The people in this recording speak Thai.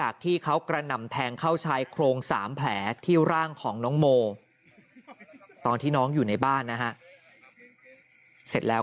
เข้าใช้โครงสามแผลที่ร่างของน้องโมตอนที่น้องอยู่ในบ้านนะฮะเสร็จแล้ว